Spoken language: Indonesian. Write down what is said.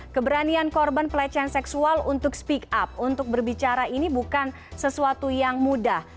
keberanian korban pelecehan seksual untuk speak up untuk berbicara ini bukan sesuatu yang mudah